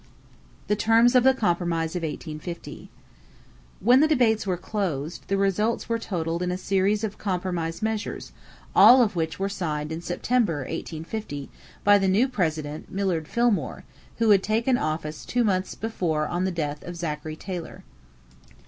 =The Terms of the Compromise of 1850.= When the debates were closed, the results were totaled in a series of compromise measures, all of which were signed in September, 1850, by the new President, Millard Fillmore, who had taken office two months before on the death of Zachary Taylor.